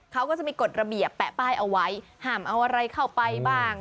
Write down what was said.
เขาก็จะมีกฎระเบียบแปะป้ายเอาไว้ห้ามเอาอะไรเข้าไปบ้าง